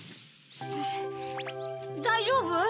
だいじょうぶ？